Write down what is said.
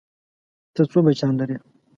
ته څو بچيان لرې؟